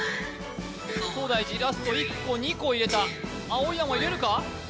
東大寺ラスト１個２個入れた青山入れるか？